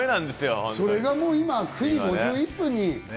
それが今、９時５１分に。